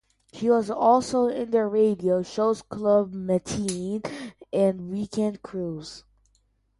She was also on the radio shows Club Matinee and Weekend Cruise.